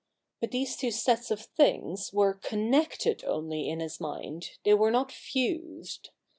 But these two sets of things were co7iii€cted only in his mind, they were noi fused.